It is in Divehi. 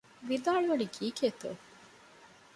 ވިދާޅުވަނީ ކީކޭތޯ؟